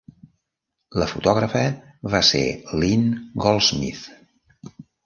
La fotògrafa va ser Lynn Goldsmith.